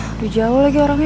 aduh jauh lagi orangnya